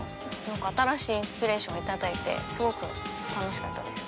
なんか新しいインスピレーションを頂いてすごく楽しかったです。